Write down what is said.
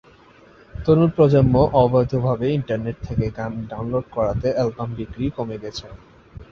তরুণ প্রজন্ম অবৈধভাবে ইন্টারনেট থেকে গান ডাউনলোড করাতে অ্যালবাম বিক্রি কমে গেছে।